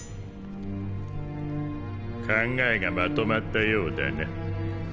考えがまとまったようだな。